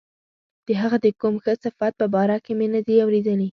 د هغه د کوم ښه صفت په باره کې مې نه دي اوریدلي.